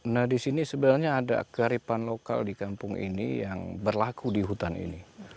nah di sini sebenarnya ada kearifan lokal di kampung ini yang berlaku di hutan ini